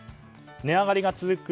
値上がりが続く